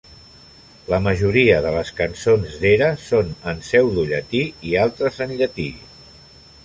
La majoria de les cançons d'Era són en pseudollatí i altres en llatí.